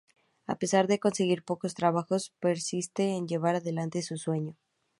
A pesar de conseguir pocos trabajos, persiste en llevar adelante su sueño.